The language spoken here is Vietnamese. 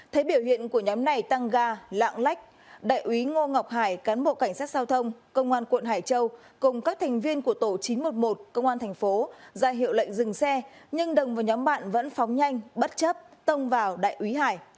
thấy biểu hiện của nhóm này tăng ga lạng lách đại úy ngô ngọc hải cán bộ cảnh sát giao thông công an quận hải châu cùng các thành viên của tổ chín trăm một mươi một công an thành phố ra hiệu lệnh dừng xe nhưng đồng và nhóm bạn vẫn phóng nhanh bất chấp tông vào đại úy hải